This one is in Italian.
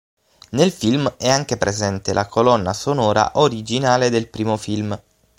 Nel film è anche presente la colonna sonora originale del primo film.